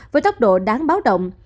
với tốc độ đáng báo động